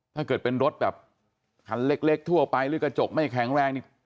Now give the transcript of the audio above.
ถ้าเกิดเป็นรถแบบคันเล็กทั่วไปหรือกระจกไม่แข็งแรงนี่